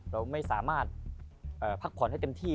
เราไม่สามารถพักผ่อนให้เต็มที่